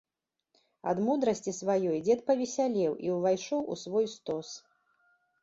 Ад мудрасці сваёй дзед павесялеў і ўвайшоў у свой стос.